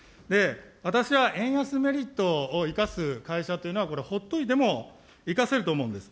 私は円安メリットを生かす会社というのはこれ、ほっといても生かせると思うんです。